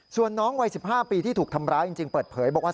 ส่วนน้องวัย๑๕ปีที่ถูกทำร้ายจริงเปิดเผยบอกว่า